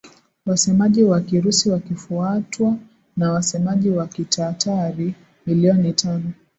wasemaji wa Kirusi wakifuatwa na wasemaji wa Kitatari milioni tano